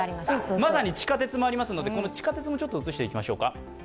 まさに地下鉄もありますので、地下鉄も映していきましょう。